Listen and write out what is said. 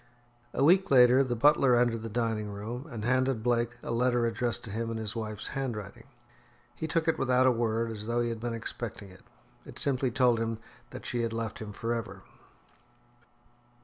A week later the butler entered the dining room, and handed Blake a letter addressed to him in his wife's handwriting. He took it without a word, as though he had been expecting it. It simply told him that she had left him for ever.